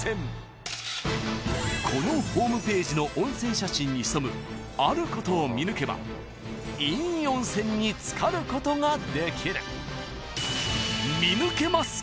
［このホームページの温泉写真に潜むあることを見抜けばいい温泉に漬かることができる］